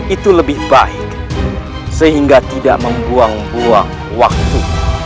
itu lebih baik sehingga tidak membuang buang waktu